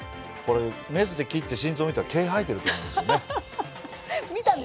メスで切って、心臓を見たら毛が生えてると思います。